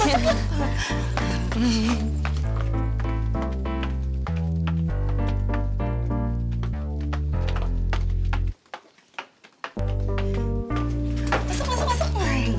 masuk masuk masuk